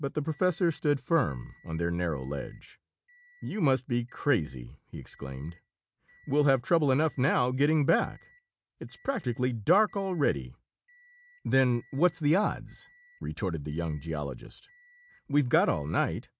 But the professor stood firm on their narrow ledge. "You must be crazy!" he exclaimed. "We'll have trouble enough now, getting back. It's practically dark already." "Then what's the odds?" retorted the young geologist. "We've got all night."